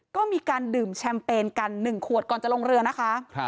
ก็มีการดื่มแชมเปญกัน๑ขวดก่อนจะลงเรือนะคะ